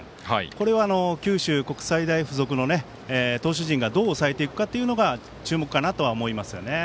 これを九州国際大付属の投手陣がどう抑えていくかというのが注目かなと思いますね。